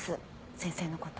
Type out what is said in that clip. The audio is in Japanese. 先生のこと。